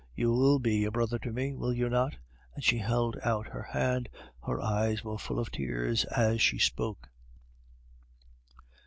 You will be a brother to me, will you not?" and she held out her hand. Her eyes were full of tears as she spoke.